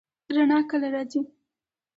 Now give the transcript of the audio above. رڼا کله راځي؟